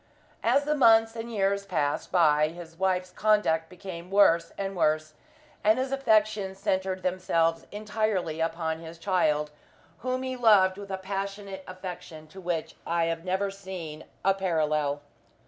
As the months and years passed by, his wife's conduct became worse and worse, and his affections centered themselves entirely upon his child, whom he loved with a passionate affection to which I have never seen a parallel.